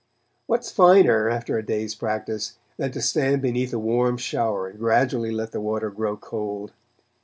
What is finer, after a hard day's practice, than to stand beneath a warm shower and gradually let the water grow cold?